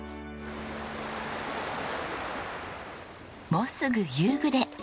もうすぐ夕暮れ。